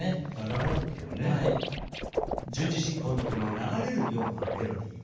順次進行のこの流れるようなメロディー。